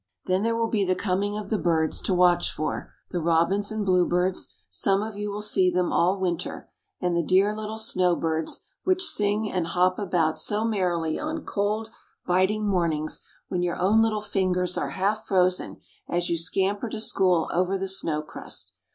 Then there will be the coming of the birds to watch for the robins and bluebirds; some of you will see them all winter, and the dear little snow birds, which sing and hop about so merrily on cold, biting mornings when your own little fingers are half frozen as you scamper to school over the snow crust.